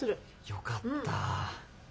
よかった。